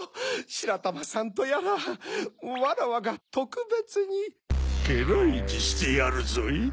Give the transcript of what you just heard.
しらたまさんとやらわらわがとくべつにけらいにしてやるぞい。